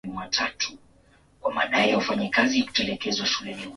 mazungumzo yanakuwa na mantiki kwa wasikilizaji wa redio